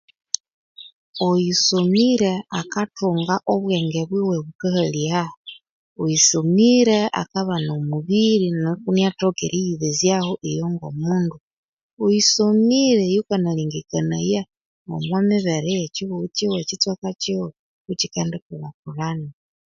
Oyusomire akathunga obwenge bwiwe bukahaliha Oyusomire akabana omubiri nuku iniathoka eriyibesyaho iyo ngo mundu Oyusomire yukanalengekanaya omumibeere ekihugho kitsweka kiwe kokikendikulhakulhana